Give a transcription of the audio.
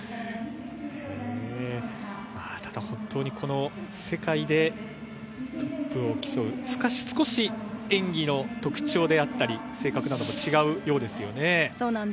ただ本当に世界でトップを競う、しかし少し演技の特徴であったり性格なども違うようですね。